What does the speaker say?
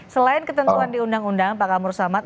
selain ketentuan di undang undang pak kamur samad